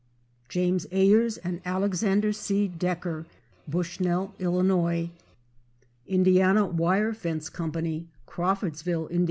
James Ayers and Alexander C. Decker, Bushnell, Ill. Indiana Wire Fence Co., Crawfordsville, Ind.